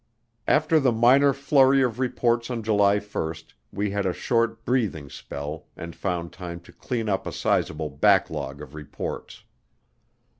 After the minor flurry of reports on July 1 we had a short breathing spell and found time to clean up a sizable backlog of reports.